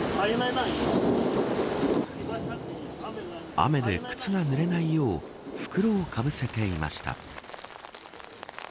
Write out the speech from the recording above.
雨で靴がぬれないよう袋をかぶせていました。